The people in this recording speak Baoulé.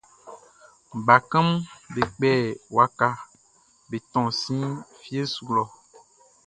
Bakanʼm be kpɛ waka be tɔn si fie su lɔ.